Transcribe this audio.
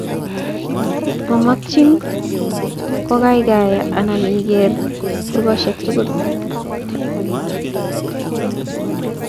Makchin kokaiker anan iker kurgoshek tugul